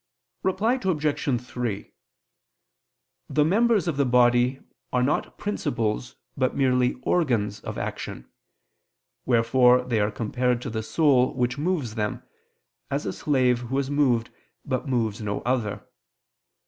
Reply Obj. 3: The members of the body are not principles but merely organs of action: wherefore they are compared to the soul which moves them, as a slave who is moved but moves no other.